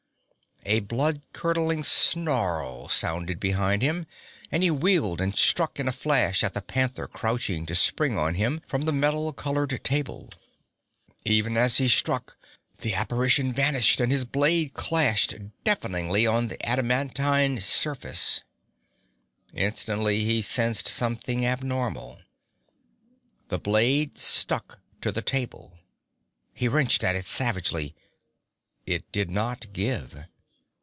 A blood curdling snarl sounded behind him, and he wheeled and struck in a flash at the panther crouching to spring on him from the metal colored table. Even as he struck, the apparition vanished and his blade clashed deafeningly on the adamantine surface. Instantly he sensed something abnormal. The blade stuck to the table! He wrenched at it savagely. It did not give.